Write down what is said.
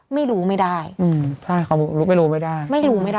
ไม่รู้ไม่ได้